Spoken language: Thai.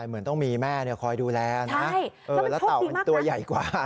เหมือนต้องมีแม่คอยดูแลนะแล้วเต่ามันตัวใหญ่กว่า